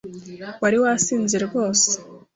Wari wasinze rwose?